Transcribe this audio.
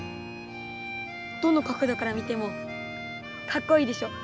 どの角どから見てもカッコいいでしょ。